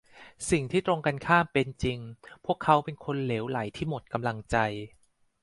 สิ่งที่ตรงกันข้ามเป็นจริง พวกเขาเป็นคนเหลวไหลที่หมดกำลังใจ